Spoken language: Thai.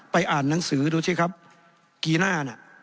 อ่านหนังสือดูสิครับกีหน้าน่ะ